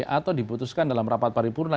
atau diputuskan dalam rapat paripurna